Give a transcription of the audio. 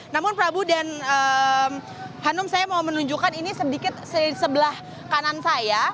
namun prabu dan hanum saya mau menunjukkan ini sedikit sebelah kanan saya